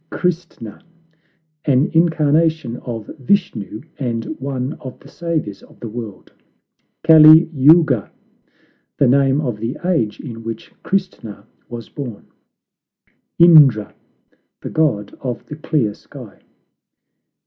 CHRISTNA An incarnation of Vishnu, and one of the saviours of the world. CALI YOUGA The name of the age in which Christna was born. INDRA The god of the clear sky.